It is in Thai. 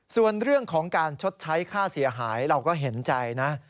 ส่วนเรื่องของการชดใช้ค่าเสียหายเราก็เห็นใจนะ